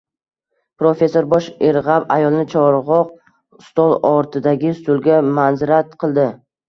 Professor bosh irg`ab ayolni chog`roq stol ortidagi stulga manzirat qildi